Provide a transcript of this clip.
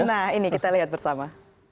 nah ini kita lihat bersama